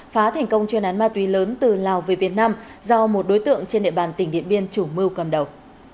phá thành công chuyên án ma túy lớn từ lào về việt nam do một đối tượng trên địa bàn tỉnh điện biên chủ mưu cầm đầu